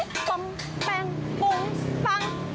ปังปังปุ๊งฟัง